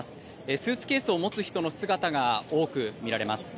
スーツケースを持つ人の姿が多く見られます。